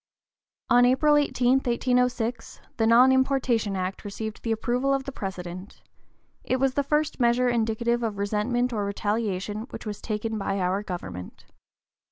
On April 18, 1806, the Non importation Act received the approval of the President. It was the first measure indicative of resentment or retaliation which was taken by our government.